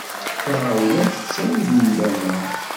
Taɣawla tettawi-d nndama.